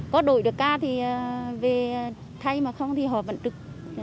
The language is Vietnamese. có đổi được ca thì về thay mà không thì họ vẫn trực